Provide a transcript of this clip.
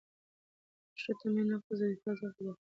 د مشروع تمې نقض د اعتراض حق پیدا کوي.